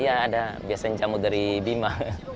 iya ada biasanya jamu dari bima